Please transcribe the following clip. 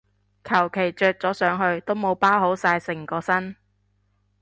求其着咗上去都冇包好晒成個身